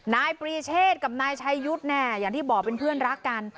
นายปรีเชษกับนายชัยยุทธ์เนี่ยอย่างที่บอกเป็นเพื่อนรักกัน